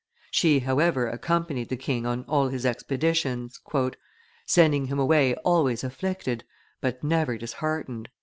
She, however, accompanied the king on all his expeditions, "sending him away always afflicted, but, never disheartened."